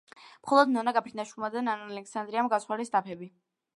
მხოლოდ ნონა გაფრინდაშვილმა და ნანა ალექსანდრიამ გაცვალეს დაფები.